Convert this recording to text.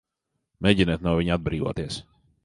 Mēģiniet no viņa atbrīvoties!